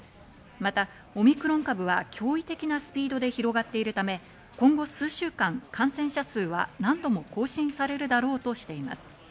またオミクロン株は驚異的なスピードで広がっているため、今後数週間、感染者数は何度も更新されるだろうとしています。